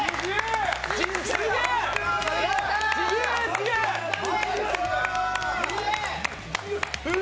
すげえ！